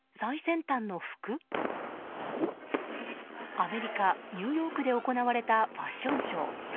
アメリカ・ニューヨークで行われたファッションショー。